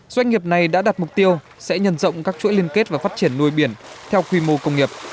doanh nghiệp này đã đặt mục tiêu sẽ nhận rộng các chuỗi liên kết và phát triển nuôi biển theo quy mô công nghiệp